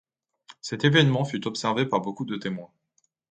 Cet évènement fut observé par beaucoup de témoins.